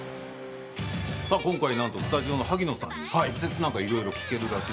さあ今回なんとスタジオの萩野さんに直接なんか色々聞けるらしい。